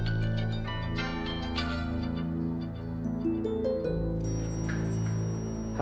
terima kasih pak